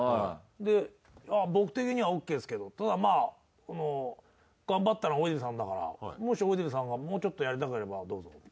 で僕的にはＯＫですけど頑張ったのは大泉さんだからもし大泉さんがもうちょっとやりたければ。